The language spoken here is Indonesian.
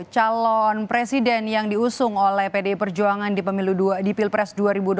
calon presiden yang diusung oleh pdi perjuangan di pilpres dua ribu dua puluh